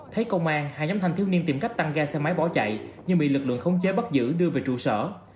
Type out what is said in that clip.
thấy công an hai nhóm thanh thiếu niên tìm cách tăng ga xe máy bỏ chạy nhưng bị lực lượng khống chế bắt giữ đưa về trụ sở